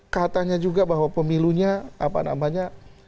katanya juga bahwa pemilunya apa namanya